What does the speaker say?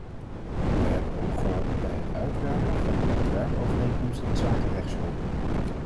Wij hebben ook geholpen bij het uitwerken van een ontwerp-overeenkomst inzake rechtshulp.